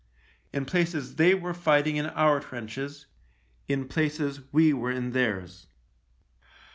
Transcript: In places they were fighting in our trenches — in places we were in theirs.